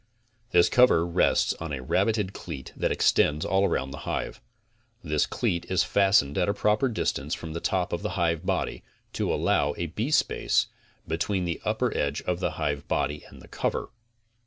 This cover rests on a rabited cleat that extends all around the hive. This cleat is fastened at a proper distance from the top of the hive body to allow a beespace between the upper edge of the hive body and the cover.